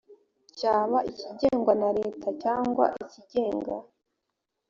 cyaba ikigengwa na leta cyangwa icyigenga